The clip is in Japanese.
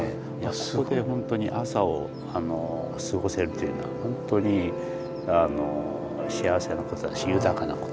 ここでほんとに朝を過ごせるというのはほんとに幸せなことだし豊かなことだし。